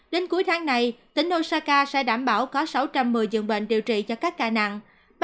đến cuối tháng này tỉnh do saka sẽ đảm bảo có sáu trăm một mươi dường bệnh điều trị cho các ca nặng